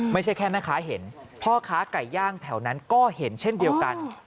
ไม่ใช่แค่แม่ค้าเห็นพ่อค้าไก่ย่างแถวนั้นก็เห็นเช่นเดียวกัน